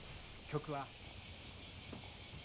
曲は。